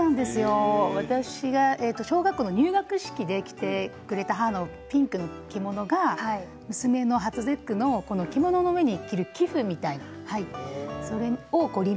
私が小学校の入学式で着てくれた母のピンクの着物が娘の初節句の着物の上に着る被布になりました。